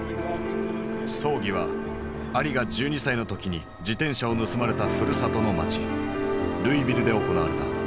葬儀はアリが１２歳の時に自転車を盗まれたふるさとの町ルイビルで行われた。